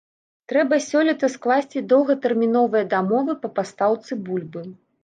Трэба сёлета скласці доўгатэрміновыя дамовы па пастаўцы бульбы.